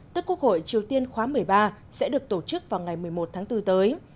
tức quốc hội triều tiên khóa một mươi ba sẽ được tổ chức vào ngày một mươi một tháng bốn tới